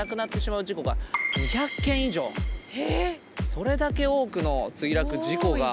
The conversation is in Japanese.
それだけ多くの墜落事故がある。